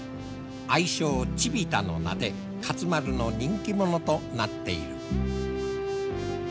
愛称チビタの名で勝丸の人気者となっている。